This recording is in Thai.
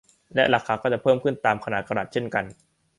และราคาก็จะเพิ่มขึ้นตามขนาดกะรัตเช่นกัน